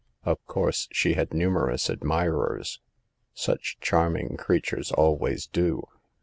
Of course she had numerous admirers ; such charming creatures always do.